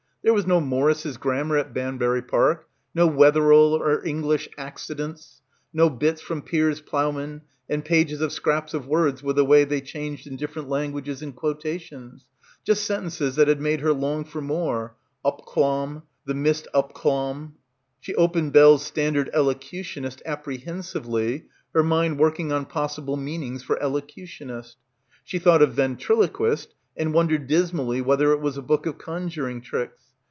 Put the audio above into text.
There was no Morris's Grammar at Banbury Park, no Wetherell or Eng lish Accidence, no bits from "Piers Plowman" and pages of scraps of words with the way they changed in different languages and quotations, just sentences that had made her long for more ... "up clomb" ... "the mist up clomb." She opened "Bell's Standard Elocutionist" apprehen sively, her mind working on possible meanings for elocutionist. She thought of ventriloquist and wondered dismally whether it was a book of con juring tricks.